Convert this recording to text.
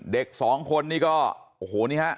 เด็กสองคนนี่ก็โอ้โหนี่ฮะ